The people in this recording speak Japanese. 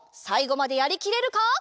さいごまでやりきれるか？